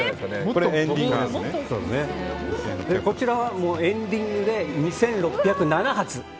こちらはエンディングで２６０７発。